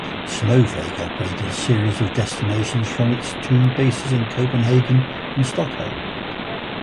Snowflake operated a series of destinations from its two bases in Copenhagen and Stockholm.